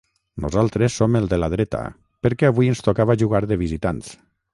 Nosaltres som el de la dreta, perquè avui ens tocava jugar de visitants.